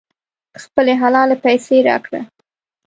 خپلې حلالې پیسې راکړه.